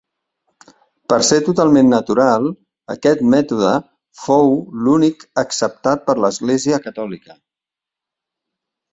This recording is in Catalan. Per ser totalment natural, aquest mètode fou l'únic acceptat per l'Església Catòlica.